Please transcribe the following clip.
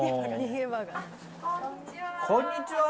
こんにちは。